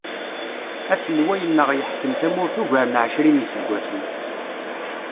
Aselway-nneɣ yeḥkem tamurt ugar n ɛecrin iseggasen.